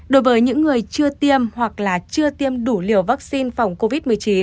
đối với những người chưa tiêm hoặc là chưa tiêm đủ liều vaccine phòng covid một mươi chín